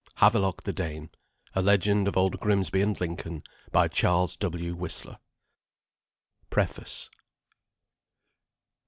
Havelok the Dane: A Legend of Old Grimsby and Lincoln. By Charles W. Whistler PREFACE.